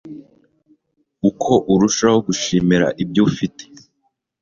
uko urushaho gushimira ibyo ufite